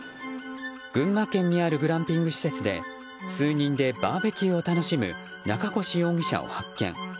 群馬県にあるグランピング施設で数人でバーベキューを楽しむ中越容疑者を発見。